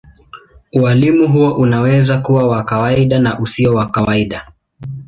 Ualimu huo unaweza kuwa wa kawaida na usio wa kawaida.